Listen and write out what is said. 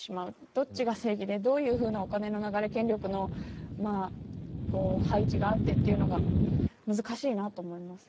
どっちが正義でどういうふうなお金の流れ、権力の配置があってというのが難しいなと思います。